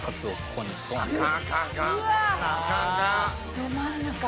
ど真ん中。